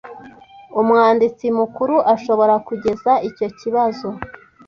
Umwanditsi Mukuru ashobora kugeza icyo kibazo